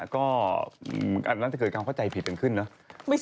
ก็อ่าน่าจะเกิดการเข้าใจผิดกันขึ้นเนอะไม่ทราบอันเนี้ย